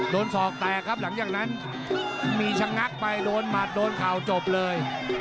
โดนสอกแตกหลังในที่นั้นมีชะงักไปโดนถัดโดนข่าวจบเลย